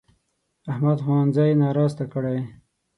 احمد ښوونځی ناراسته کړی.